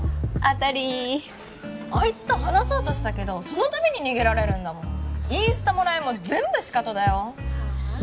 当たりあいつと話そうとしたけどその度に逃げられるんだもんインスタもＬＩＮＥも全部シカトだよはあ？